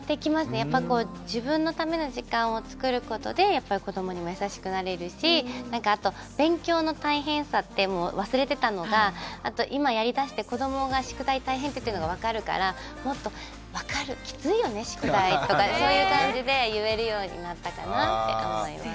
やっぱこう自分のための時間をつくることでやっぱり子どもにも優しくなれるしあと勉強の大変さって忘れてたのが今やりだして子どもが宿題大変って言ってるのが分かるからもっと「分かるきついよね宿題」とかそういう感じで言えるようになったかなって思います。